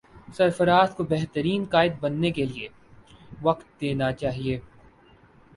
سرفراز کو بہترین قائد بننے کے لیے وقت دینا چاہیے